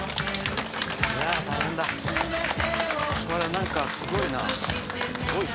なんか、すごいな。